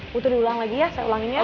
butuh diulang lagi ya saya ulangin ya